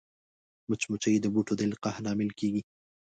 مچمچۍ د بوټو د القاح لامل کېږي